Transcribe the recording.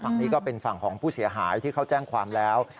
ฝั่งนี้ก็เป็นฝั่งของผู้เสียหายที่เขาแจ้งความแล้ว